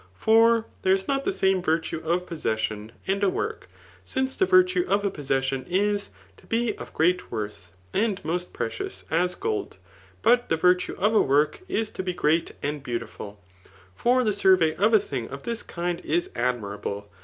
For there is not the same virtue of possession and. a work ; since the virtue of a possession is, to be of great worth, and most precious, asgold } but the virtue of a work is to be great, and beau tiftil. For the survey of a thing of this kind is admi rable.